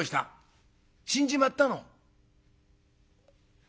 「死んじまったの」。